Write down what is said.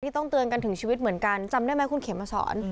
ต้องเตือนกันถึงชีวิตเหมือนกันจำได้ไหมคุณเขมมาสอน